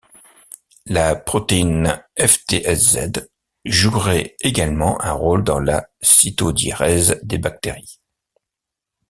La protéine FtsZ jouerait également un rôle dans la cytodiérèse des bactéries.